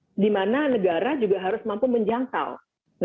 nah jadi peraturan menteri itu sesungguhnya sedang berusaha menjangkau kotak kosong